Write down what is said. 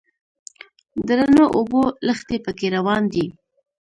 د رڼو اوبو لښتي په کې روان دي.